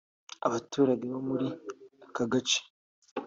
Abaturage bo muri aka gace